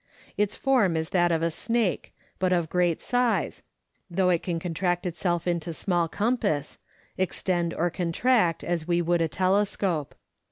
Its form is that of a snake, but of great size, though it can contract itself into a small compass extend or contract as we would a telescope.